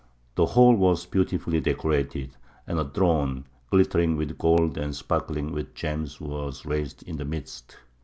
The hall was beautifully decorated, and a throne glittering with gold and sparkling with gems was raised in the midst.